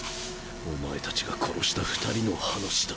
お前たちが殺した二人の話だ。